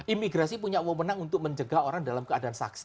imigrasi punya umum yang untuk menjaga orang dalam keadaan saksi